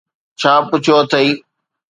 ڇا پڇيو اٿئي؟